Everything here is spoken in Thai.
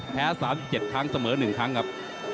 แพ้๓๗ครั้งเสมอ๑ครั้งครับ